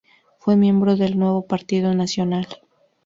Fue miembro del Nuevo Partido Nacional.